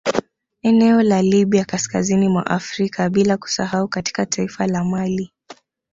Eneo la Libya kaskazini mwa Afrika bila kusahau katika taifa la mali